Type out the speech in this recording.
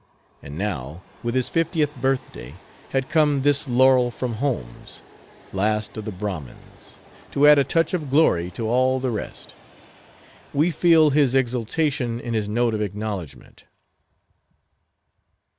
And now, with his fiftieth birthday, had come this laurel from Holmes, last of the Brahmins, to add a touch of glory to all the rest. We feel his exaltation in his note of acknowledgment.